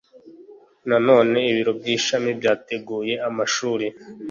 Nanone ibiro by ishami byateguye amashuri